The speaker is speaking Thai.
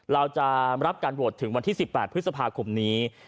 เราจะรับการโหวตถึงวันที่๑๘พฤษภาคมนี้